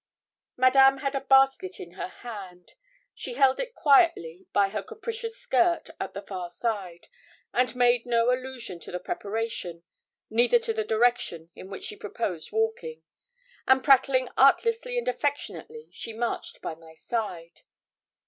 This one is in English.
Madame had a basket in her hand. She held it quietly by her capacious skirt, at the far side, and made no allusion to the preparation, neither to the direction in which she proposed walking, and prattling artlessly and affectionately she marched by my side.